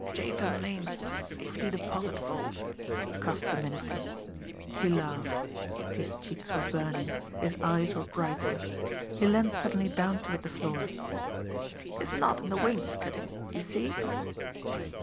"Jathan Lane's safe deposit vault," coughed the Minister. He laughed. His cheeks were burning; his eyes were brighter. He leaned suddenly down toward the floor. "This knot in the wainscoting see?"